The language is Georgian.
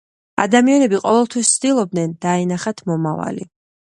ადამიანები ყოველთვის ცდილობდნენ დაენახათ მომავალი.